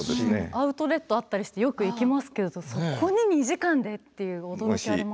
アウトレットあったりしてよく行きますけどそこに２時間でっていう驚きありますね。